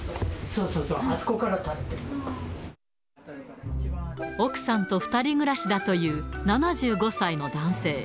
そうそう、奥さんと２人暮らしだという７５歳の男性。